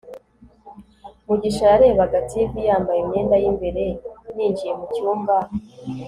mugisha yarebaga tv yambaye imyenda y'imbere ninjiye mucyumba